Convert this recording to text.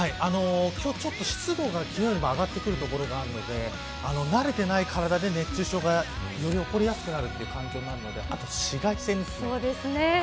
今日ちょっと湿度が昨日よりも上がってくるところがあるので慣れていない体で熱中症がより起こりやすくなるのであと紫外線ですね。